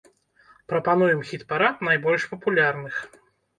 Прапануем хіт-парад найбольш папулярных.